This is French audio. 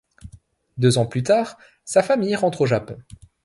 Deux ans plus tard, sa famille rentre au Japon.